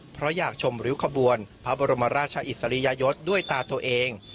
เพราะอยากชมริ้วขบวนพระบรมราชอิสริยยศด้วยตาตัวเอง